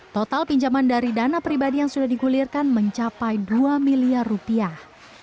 total pinjaman dari dana pribadi yang sudah digulirkan mencapai dua miliar rupiah